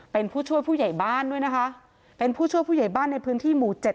เป็นผู้ช่วยผู้ใหญ่บ้านด้วยนะคะเป็นผู้ช่วยผู้ใหญ่บ้านในพื้นที่หมู่เจ็ด